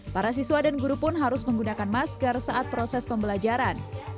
para siswa dan guru pun harus menggunakan masker saat proses pembelajaran